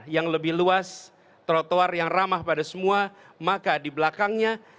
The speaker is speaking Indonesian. selamat ulang tahun